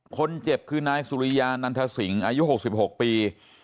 คนเจ็บคือนายสุริยานันทสิงอายุ๖๖ปี